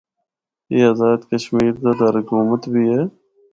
اے آزاد کشمیر دا دارالحکومت بھی ہے۔